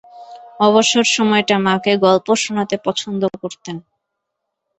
অবসর সময়টা মাকে গল্প শোনাতে পছন্দ করতেন।